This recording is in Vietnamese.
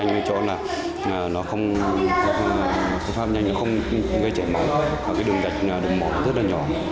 chúng tôi cho rằng phương pháp nhanh không gây trẻ mỏng đường gạch đường mỏng rất nhỏ